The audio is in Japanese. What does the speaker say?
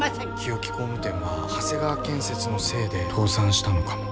日置工務店は長谷川建設のせいで倒産したのかも。